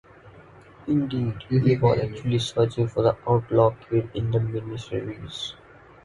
Indeed, he was actually searching for the Outlaw Kid in the miniseries.